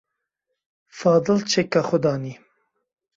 Fadil çeka xwe danî.